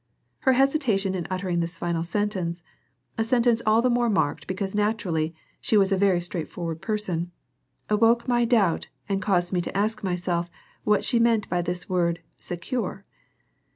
Her hesitation in uttering this final sentence a sentence all the more marked because naturally, she was a very straightforward person awoke my doubt and caused me to ask myself what she meant by this word "secure."